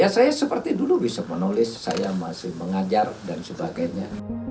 ya saya seperti dulu bisa menulis saya masih mengajar dan sebagainya